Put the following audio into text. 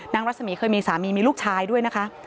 รัศมีร์เคยมีสามีมีลูกชายด้วยนะคะ